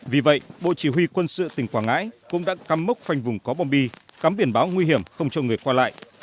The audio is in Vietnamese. vì vậy bộ chỉ huy quân sự tỉnh quảng ngãi cũng đã cắm mốc khoanh vùng có bom bi cắm biển báo nguy hiểm không cho người qua lại